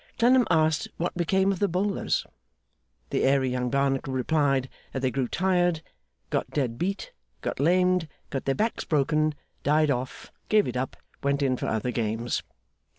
Clennam asked what became of the bowlers? The airy young Barnacle replied that they grew tired, got dead beat, got lamed, got their backs broken, died off, gave it up, went in for other games.